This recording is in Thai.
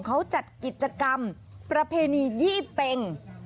เขาจัดกิจกรรมประเพณียี่เป็ง